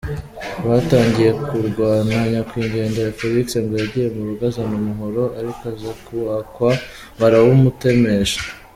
Bataangiye kurwana, nyakwigendera Felix ngo yagiye mu rugo azana umuhoro, ariko aza kuwakwa barawumutemesha.